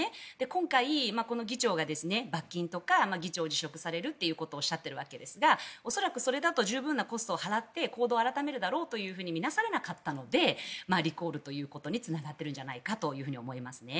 今回、この議長が罰金とか議長を辞職されるということをおっしゃっているわけですが恐らくそれだと十分なコストを払って行動を改めるだろうと見なされなかったのでリコールということにつながっているんじゃないかと思いますね。